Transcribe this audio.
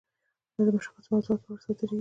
دا د مشخصو موضوعاتو په اړه صادریږي.